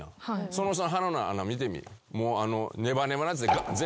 その人の鼻の穴見てみ？